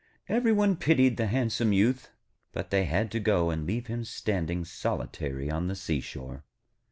Every one pitied the handsome Youth, but they had to go and leave him standing solitary on the seashore.